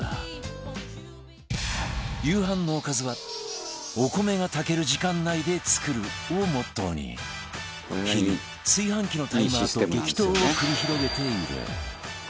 夕飯のおかずは「お米が炊ける時間内で作る」をモットーに日々炊飯器のタイマーと激闘を繰り広げている